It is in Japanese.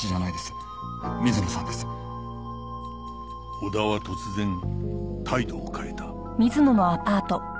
小田は突然態度を変えた